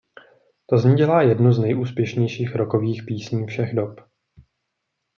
To zní dělá jednu z nejúspěšnějších rockových písní všech dob.